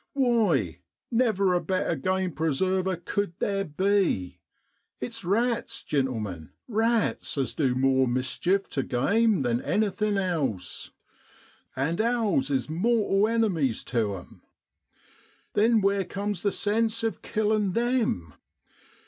Why, never a better game preserver cud theer be. It's rats, gentlemen, rats, as du more mis chief tu game than anything else. And owls is mortal enemies tu 'em. Then where comes the sense of killin' them